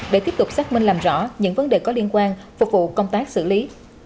để tiếp tục xác minh làm rõ những vấn đề có liên quan phục vụ công tác xử lý